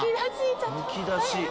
むき出し誰？